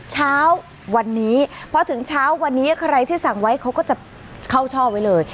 เช้าวันนี้พอถึงเช้าวันนี้ใครที่สั่งไว้เขาก็จะเข้าช่อไว้เลย